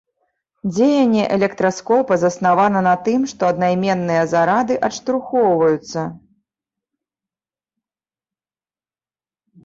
Дзеянне электраскопа заснавана на тым, што аднайменныя зарады адштурхоўваюцца.